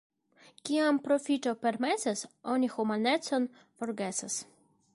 Kiam profito permesas, oni humanecon forgesas.